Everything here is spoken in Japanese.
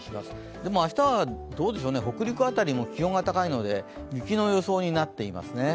でも明日は北陸辺りも気温が高いので雪の予想になっていますね。